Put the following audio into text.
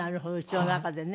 家の中でね。